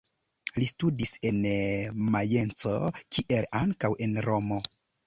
Li studis en Majenco kiel ankaŭ en Romo.